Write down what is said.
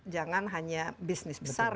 jangan hanya bisnis besar